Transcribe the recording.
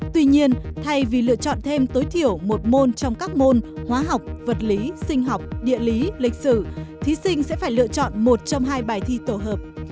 tuy nhiên thay vì lựa chọn thêm tối thiểu một môn trong các môn hóa học vật lý sinh học địa lý lịch sử thí sinh sẽ phải lựa chọn một trong hai bài thi tổ hợp